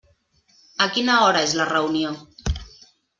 A quina hora és la reunió?